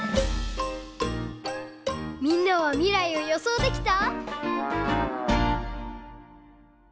みんなは未来をよそうできた？